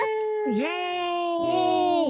イエーイ！